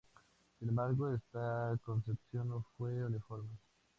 Sin embargo, esta concepción no fue uniforme.